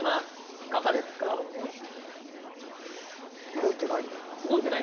動いてないんだよな。